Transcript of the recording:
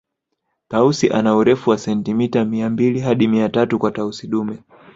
Tausi ana urefu wa sentimeta mia mbili hadi mia tatu kwa Tausi dume